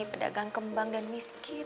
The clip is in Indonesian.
pedagang kembang dan miskin